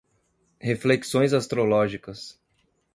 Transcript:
Reflexões astrológicas